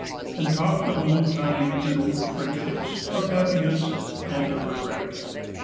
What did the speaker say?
And talked of old times and old friend¬ ships, of happiness and of regret.